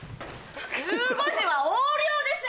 １５時は横領でしょ！